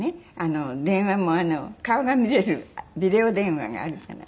電話も顔が見れるビデオ電話があるじゃない。